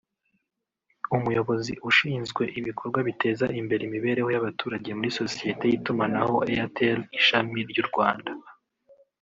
umuyobozi ushinzwe ibikorwa biteza imbere imibereho y’abaturage muri sosiyete y’itumanaho Airtel ishami ry’u Rwanda